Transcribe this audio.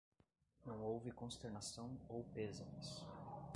Não houve consternação ou pêsames